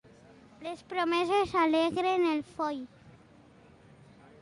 Les promeses alegren el foll.